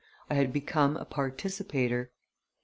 I had become a participator.